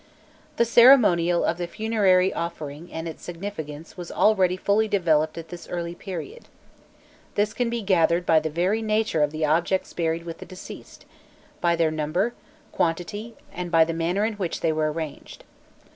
The ceremonial of the funerary offering and its significance was already fully developed at this early period; this can be gathered by the very nature of the objects buried with the deceased, by their number, quantity, and by the manner in which they were arranged.